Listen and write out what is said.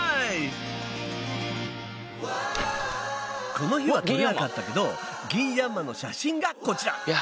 この日は撮れなかったけどギンヤンマの写真がこちら。